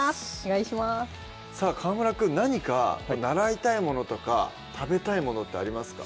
さぁ川村くん何か習いたいものとか食べたいものってありますか？